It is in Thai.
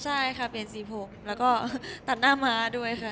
ใช่ค่ะเปลี่ยนสีผมแล้วก็ตัดหน้าม้าด้วยค่ะ